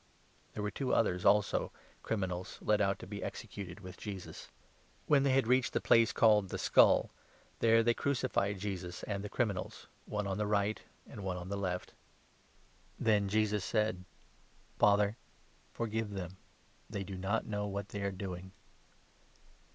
" There were two others also, criminals, led out to be executed with Jesus. When they had reached the place called 'The Skull,' there they crucified Jesus and the criminals, one on the right, and one on the left 80 Hos. 10. 8. 31 Ezek. 20. 47. LUKE, 23. 159 [Then Jesus said : 34 1 ' Father, forgive them ; they do not know what they are doing."